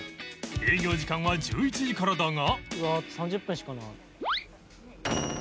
営業時間は１１時からだが